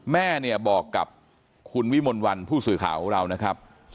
แม่เนี่ยบอกกับคุณวิมลวันผู้สื่อข่าวของเรานะครับ